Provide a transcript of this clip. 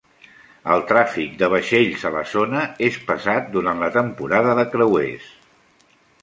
El tràfic de vaixells a la zona és pesat durant la temporada de creuers.